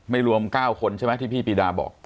รวม๙คนใช่ไหมที่พี่ปีดาบอก